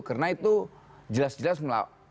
karena itu jelas jelas melawan